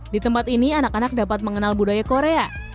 di tempat ini anak anak dapat mengenal budaya korea